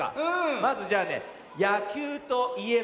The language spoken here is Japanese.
まずじゃあねやきゅうといえば？